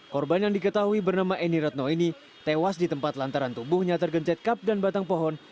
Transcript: korban yang diketahui bernama eni retno ini tewas di tempat lantaran tubuhnya tergencet kap dan batang pohon